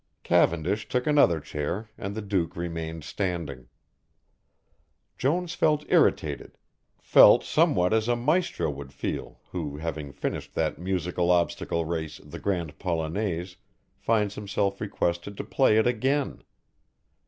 Cavendish took another chair and the Duke remained standing. Jones felt irritated, felt somewhat as a maestro would feel who, having finished that musical obstacle race The Grand Polonnaise, finds himself requested to play it again.